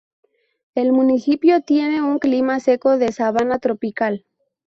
El municipio tiene un clima seco de sabana tropical.